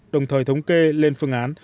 đồng thời thống kê lên phương án